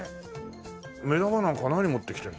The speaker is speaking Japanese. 目玉なんか何持ってきてるの？